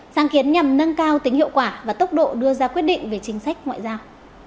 sáng kiến nhằm nâng cao tính hiệu quả và tốc độ đưa ra quyết định về chính sách ngoại giao